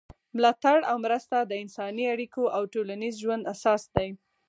ملاتړ او مرسته د انساني اړیکو او ټولنیز ژوند اساس دی.